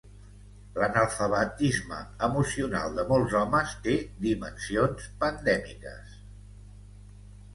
L'analfabetisme emocional de molts homes té dimensions pandèmiques